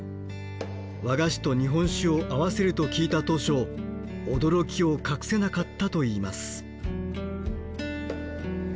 和菓子と日本酒を合わせると聞いた当初驚きを隠せなかったといいます。